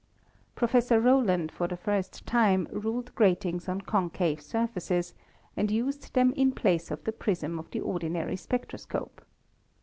Professor Rowland for the first time ruled gratings on concave surfaces and used them in place of the prism of the ordinary spectroscope.